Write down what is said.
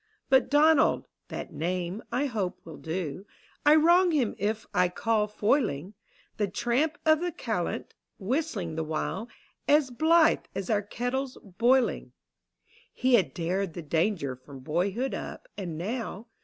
But Donald — (that name, 1 hop. , will do) — I wrong him if I call " foiling" The tramp of the callant, whistling the while As blithe as our kettle's boiling. 84 THE BOYS' BROWXIXG. He had dared the danger from boyhood up, And now.